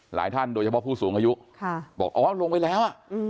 หลายท่านโดยเฉพาะผู้สูงอายุบอกว่าลงมายุควรไปแล้ว